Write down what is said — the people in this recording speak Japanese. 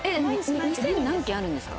二千何件あるんですか？